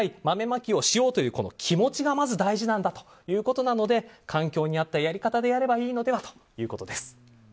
豆まきをしようという気持ちがまず大事なんだということなので環境に合ったやり方でやればいいのではということです。